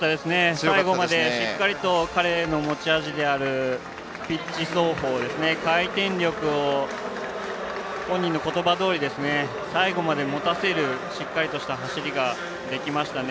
最後まで彼の持ち味のピッチ走法回転力を本人のことばどおり最後までもたせる、しっかりとした走りができましたね。